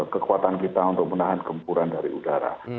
kekuatan kita untuk menahan gempuran dari udara